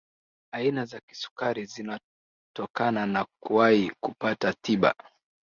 aina za kisukari zinatokana na kuwai kupata tiba